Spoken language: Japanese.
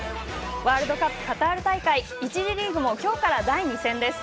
ワールドカップカタール大会１次リーグも今日から第２戦です。